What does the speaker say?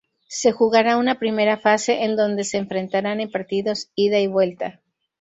Se jugará una primera fase en donde se enfrentarán en partidos ida y vuelta.